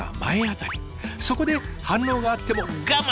そこで反応があっても我慢！